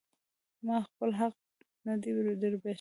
ما خپل حق نه دی در بښلی.